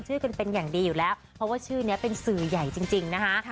ชื่อกันเป็นอย่างดีอยู่แล้วเพราะว่าชื่อนี้เป็นสื่อใหญ่จริงนะคะ